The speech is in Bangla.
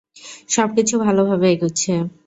সবকিছু ভালভাবে এগুচ্ছে।